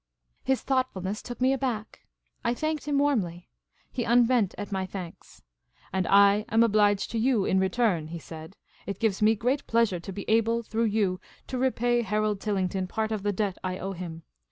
His thoughtfulness took me aback. I thanked him warmly. He unbent at my thanks. " And I am obliged to you in return," he said. " It gives me real pleasure to be able, through you, to repay Harold Tillington part of the debt I owe him.